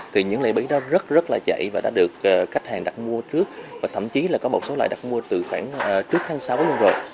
khách hàng đặt mua trước và thậm chí là có một số loại đặt mua từ khoảng trước tháng sáu luôn rồi